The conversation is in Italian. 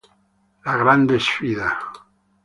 La grande sfida